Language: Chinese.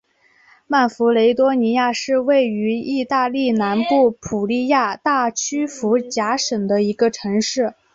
曼弗雷多尼亚是位于义大利南部普利亚大区福贾省的一个城市。